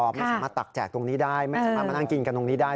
ไม่สามารถตักแจกตรงนี้ได้ไม่สามารถมานั่งกินกันตรงนี้ได้